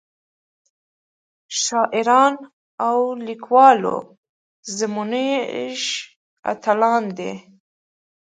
شاعران او ليکوال زمونږ اتلان دي